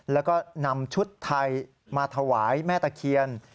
แล้วก็นำชุดไทยมาถวายแม่ตะเคียน